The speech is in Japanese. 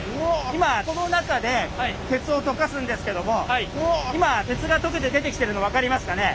今この中で鉄を溶かすんですけども今鉄が溶けて出てきてるの分かりますかね？